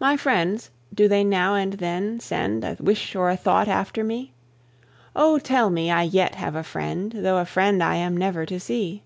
My friends do they now and then send A wish or a thought after me? Oh, tell me I yet have a friend, Though a friend I am never to see.